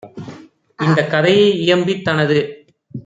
இந்தக் கதையை இயம்பித் தனது